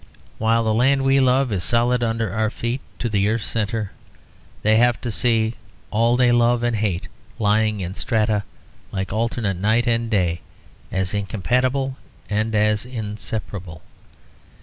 While the land we love is solid under our feet to the earth's centre, they have to see all they love and hate lying in strata like alternate night and day, as incompatible and as inseparable.